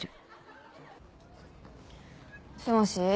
もしもし。